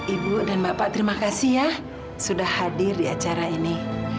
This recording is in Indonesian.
ibu dan bapak terima kasih ya sudah hadir di acara ini